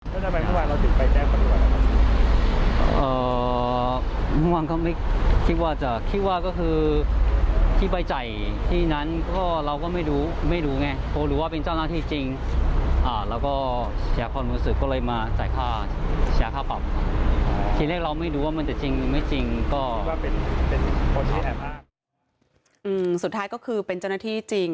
สุดท้ายก็คือเป็นเจ้าหน้าที่จริง